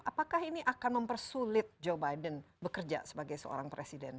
apakah ini akan mempersulit joe biden bekerja sebagai seorang presiden